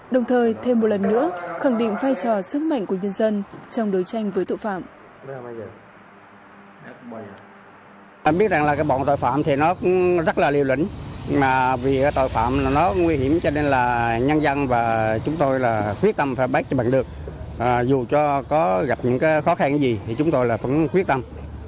đồng thời thêm một lần nữa khẳng định vai trò sức mạnh của nhân dân trong đối tranh với tội phạm